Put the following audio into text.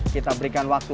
kita berikan waktu